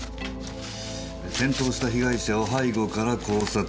「転倒した被害者を背後から絞殺」。